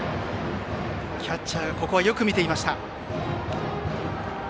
キャッチャーがここはよく見ていました。